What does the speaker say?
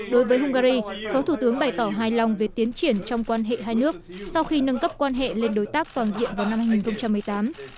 đối với hungary phó thủ tướng bày tỏ hài lòng về tiến triển trong quan hệ hai nước sau khi nâng cấp quan hệ lên đối tác toàn diện vào năm hai nghìn một mươi tám